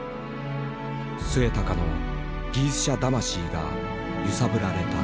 末高の技術者魂が揺さぶられた。